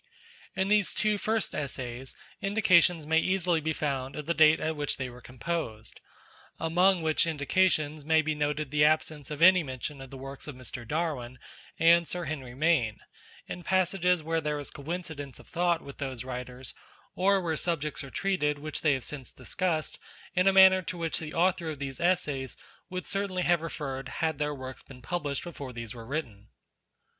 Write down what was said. In these two first Essays indications may easily be found of the date at which they were composed; among which indications may be noted the absence of any mention of the works of Mr. Darwin and Sir Henry Maine in passages where there is coincidence of thought with those writers, or where subjects are treated which they have since discussed in a manner to which the Author of these Essays would certainly have referred had their works been published before these were written.